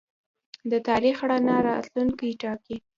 د تاریخ رڼا راتلونکی ټاکي.